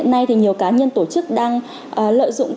nhiều cá nhân tổ chức đang lợi dụng